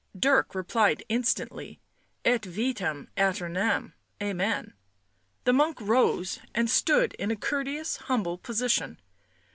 Dirk replied instantly. " Et vitam aeternam. Amen." The monk rose and stood in a courteous, humble position.